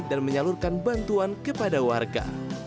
dan menyalurkan bantuan kepada warga